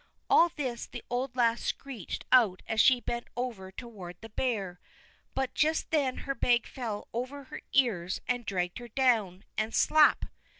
All this the old lass screeched out as she bent over toward the bear. But just then her bag fell over her ears, and dragged her down, and slap!